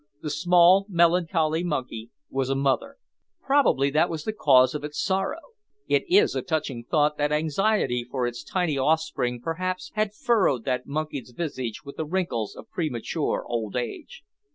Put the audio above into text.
The small melancholy monkey was a mother! Probably that was the cause of its sorrow. It is a touching thought that anxiety for its tiny offspring perhaps had furrowed that monkey's visage with the wrinkles of premature old age.